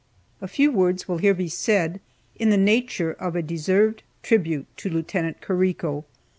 1862.] A few words will here be said in the nature of a deserved tribute to Lieut. Carrico.